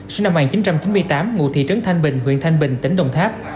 sinh năm một nghìn chín trăm chín mươi tám ngụ thị trấn thanh bình huyện thanh bình tỉnh đồng tháp